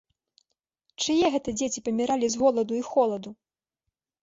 Чые гэта дзеці паміралі з голаду і холаду?